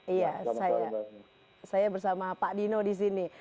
iya saya bersama pak dino di sini